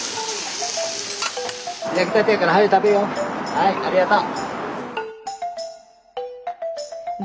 はいありがとう。